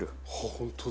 本当だ。